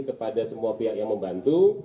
kepada semua pihak yang membantu